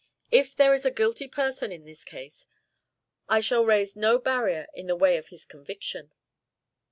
If there is a guilty person in this case, I shall raise no barrier in the way of his conviction."